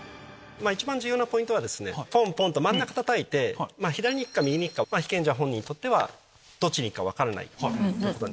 一番重要なポイントはポンポンと真ん中たたいて左に行くか右に行くか被験者本人にとってはどっちに行くか分からない。